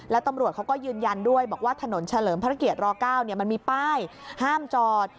แล้วตำรวจเขาก็ยืนยันด้วยบอกว่าถนนเฉลิมพระเกียร๙มันมีป้ายห้ามจอด